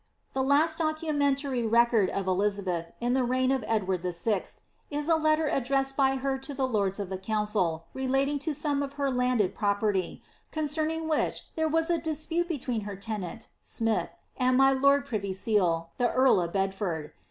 The last docnmentary record of Elizabeth, in the reign of Edward VI, it a letter addressed by her to the lords of the council, relating to some of her landed property, concerning which there was a dispute be» tween her tenant, Smith, and my lord privy seal, the earl of Bedford.